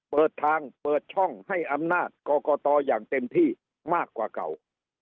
เปิดทางเปิดช่องให้อำนาจกรกตอย่างเต็มที่มากกว่าเก่า